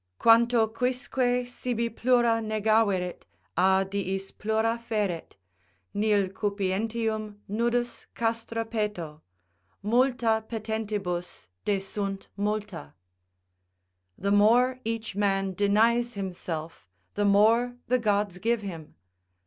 "Quanto quisque sibi plum negaverit, A diis plum feret: nil cupientium Nudus castra peto .... Multa petentibus Desunt multa." ["The more each man denies himself, the more the gods give him.